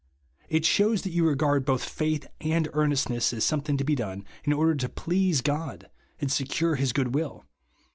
It shews that you regard both faith and earnestness as something to be done in order to please God, and secure his goodwill.